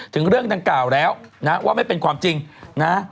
ถึงเรื่องดังกล่าวแล้วนะว่าไม่เป็นความจริงนะ